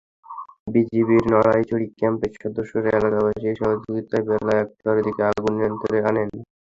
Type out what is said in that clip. বিজিবির নাড়াইছড়ি ক্যাম্পের সদস্যরা এলাকাবাসীর সহযোগিতায় বেলা একটার দিকে আগুন নিয়ন্ত্রণে আনেন।